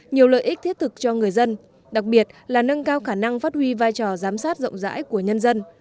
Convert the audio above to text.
nhiều lợi ích thiết thực cho người dân đặc biệt là nâng cao khả năng phát huy vai trò giám sát rộng rãi của nhân dân